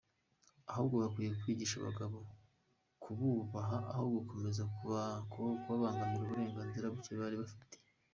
Ahubwo bakwiye kwigisha abagabo kububaha aho gukomeza no kubangamira uburenganzira buke bari bifitiye.